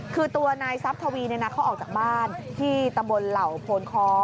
คือตัวนายซับทวีเขาออกจากบ้านที่ตำบลเหล่าโพนคอ